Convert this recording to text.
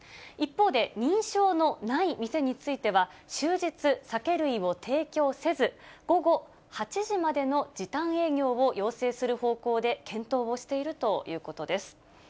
一方で、認証のない店については終日酒類を提供せず、午後８時までの時短営業を要請する方向で検討をしているということです。